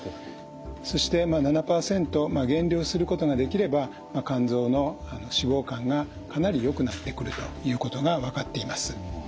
そしてまあ７％減量することができれば肝臓の脂肪肝がかなりよくなってくるということが分かっています。